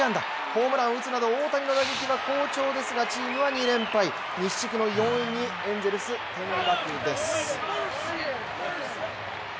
ホームランを打つなど大谷の打撃は好調ですがチームは２連敗、西地区の４位にエンゼルス、転落です。